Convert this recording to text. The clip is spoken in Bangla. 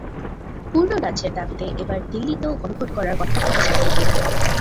পূর্ণ রাজ্যের দাবিতে এবার দিল্লিতেও গণভোট করার কথা তিনি জানিয়ে দিলেন।